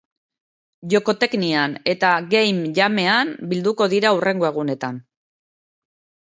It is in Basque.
Jokoteknian eta Game Jamean bilduko dira hurrengo egunetan